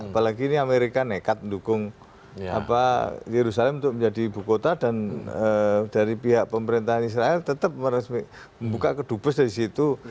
apalagi ini amerika nekat mendukung yerusalem untuk menjadi ibu kota dan dari pihak pemerintahan israel tetap meresmi membuka kedubes dari situ